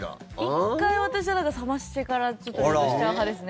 １回、私はだから冷ましてから冷凍しちゃう派ですね。